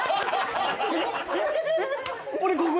俺ここ？